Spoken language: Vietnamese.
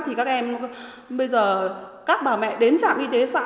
thì các em bây giờ các bà mẹ đến trạm y tế xã